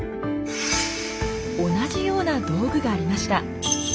同じような道具がありました。